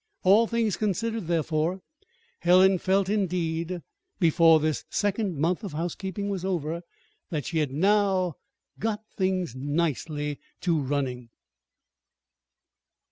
All things considered, therefore, Helen felt, indeed, before this second month of housekeeping was over, that she had now "got things nicely to running."